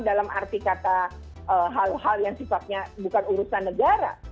dalam arti kata hal hal yang sifatnya bukan urusan negara